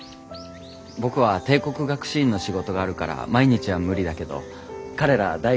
僕は帝国学士院の仕事があるから毎日は無理だけど彼ら大学院の学生。